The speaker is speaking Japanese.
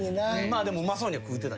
でもうまそうには食うてた。